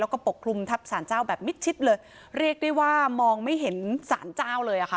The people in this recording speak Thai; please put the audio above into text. แล้วก็ปกคลุมทับสารเจ้าแบบมิดชิดเลยเรียกได้ว่ามองไม่เห็นสารเจ้าเลยอ่ะค่ะ